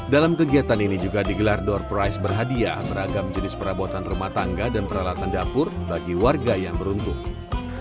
dalam kegiatan ini juga digelar door price berhadiah beragam jenis perabotan rumah tangga dan peralatan dapur bagi warga yang beruntung